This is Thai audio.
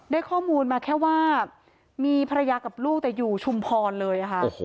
ได้ข้อมูลมาแค่ว่ามีภรรยากับลูกแต่อยู่ชุมพรเลยค่ะ